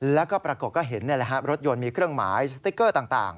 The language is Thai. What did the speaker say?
แล้วก็ปรากฏก็เห็นรถยนต์มีเครื่องหมายสติ๊กเกอร์ต่าง